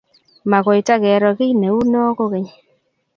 makoi takeroo kyi neunoo kokeny